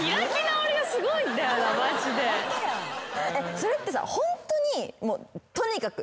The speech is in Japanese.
それってさホントにとにかく。